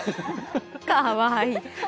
かわいい。